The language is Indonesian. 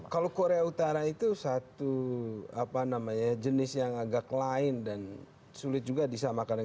kalau korea utara itu satu jenis yang agak lain dan sulit juga disamakan